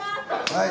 はい。